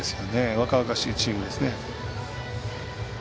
若々しいチームですね。